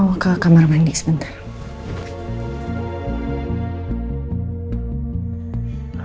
mau ke kamar mandi sebentar